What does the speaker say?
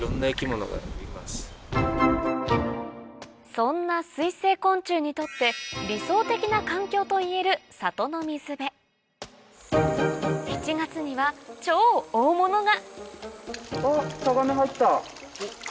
そんな水生昆虫にとってといえる里の水辺７月には超大物が！